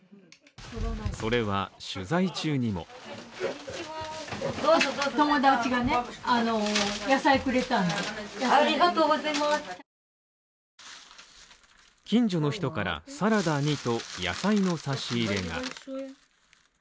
それは取材中にも近所の人から、サラダにと野菜の差し入れが。